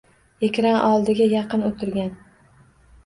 Ekran oldiga yaqin oʻtirgan